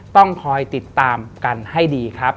ต้องคอยติดตามกันให้ดีครับ